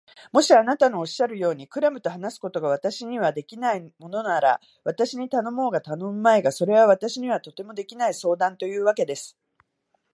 もしあなたのおっしゃるように、クラムと話すことが私にはできないものなら、私に頼もうが頼むまいが、それは私にはとてもできない相談というわけです。